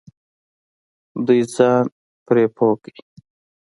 دوهم ځان پرې پوه کړئ.